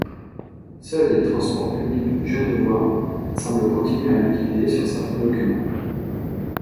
Seuls les Transports publics genevois semblent continuer à l'utiliser sur certains documents.